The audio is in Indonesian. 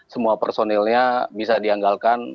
semua personilnya bisa dianggalkan